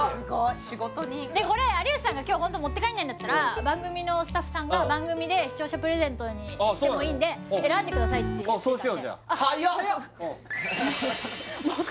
これ有吉さんが今日ホント持って帰んないんだったら番組のスタッフさんが番組で視聴者プレゼントにしてもいいんで選んでくださいって言ってたんでそうしようじゃあはや！